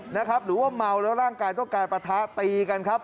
หรือว่าเมาแล้วร่างกายต้องการปะทะตีกันครับ